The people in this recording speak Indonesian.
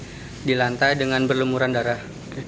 jadi di lantai dengan berlumuran darah